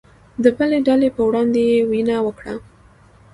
د بلې ډلې په وړاندې يې وينه وکړه